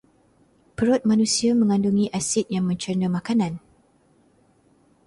Perut manusia megandungi asid yang mencerna makanan.